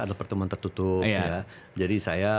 adalah pertemuan tertutup ya jadi saya